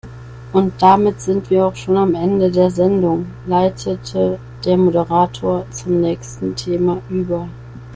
Und damit sind wir auch schon am Ende der Sendung, leitete der Moderator zum nächsten Thema über.